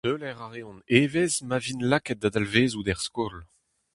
Teuler a reont evezh ma vint lakaet da dalvezout er skol.